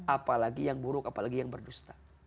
apalagi yang buruk apalagi yang berdusta